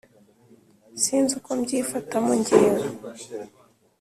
sinzi uko mbyifatamo jyewe